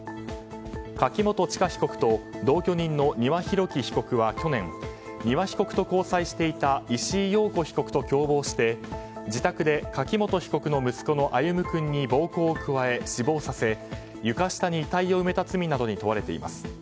柿本知香被告と同居人の丹羽洋樹被告は去年丹羽被告と交際していた石井陽子容疑者と共謀して自宅で柿本被告の息子の歩夢君に暴行を加え、死亡させ床下に遺体を埋めた罪などに問われています。